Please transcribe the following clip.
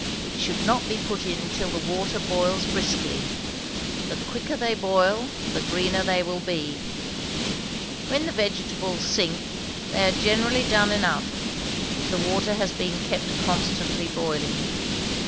which should not be put in till the water boils briskly; the quicker they boil, the greener they will be. When the vegetables sink, they are generally done enough, if the water has been kept constantly boiling.